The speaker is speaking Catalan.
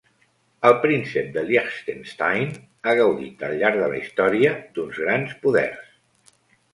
El príncep de Liechtenstein ha gaudit, al llarg de la història, d'uns grans poders.